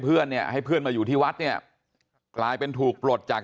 เพื่อนเนี่ยให้เพื่อนมาอยู่ที่วัดเนี่ยกลายเป็นถูกปลดจาก